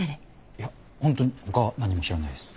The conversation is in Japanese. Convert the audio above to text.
いやホントに他は何も知らないです。